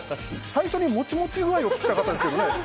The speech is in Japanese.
最初にモチモチ具合を聞きたかったんですけどね。